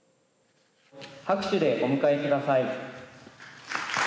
拍手でお迎えください。